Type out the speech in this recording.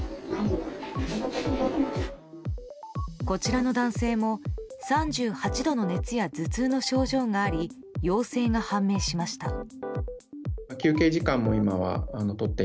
こちらの男性も３８度の熱や頭痛の症状があり陽性が判明しました。